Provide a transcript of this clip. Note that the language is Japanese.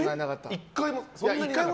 １回も？